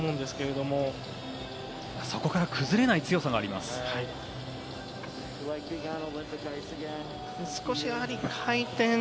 しかしそこから崩れない強さがありました。